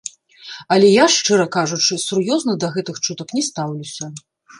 Але я, шчыра кажучы, сур'ёзна да гэтых чутак не стаўлюся.